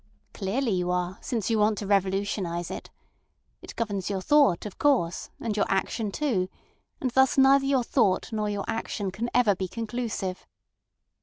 Clearly you are, since you want to revolutionise it. It governs your thought, of course, and your action too, and thus neither your thought nor your action can ever be conclusive."